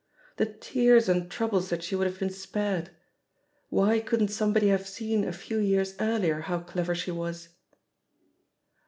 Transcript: The tears and troubles that she would have been spared I Why couldn't somebody have seen a few years earlier how clever she was?